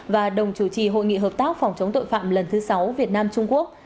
và đồng chủ trì hội nghị hợp tác phòng chống tội phạm lần thứ sáu việt nam trung quốc